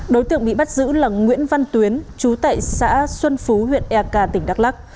đối tượng bị bắt giữ là nguyễn văn tuyến chú tại xã xuân phú huyện eka tỉnh đắk lắc